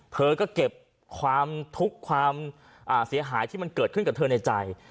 เธอก็เก็บความทุกข์ความเสียหายที่มันเกิดขึ้นกับเธอในใจ